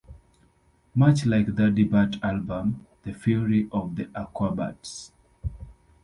Much like their debut album, The Fury of The Aquabats!